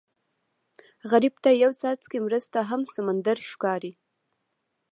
غریب ته یو څاڅکی مرسته هم سمندر ښکاري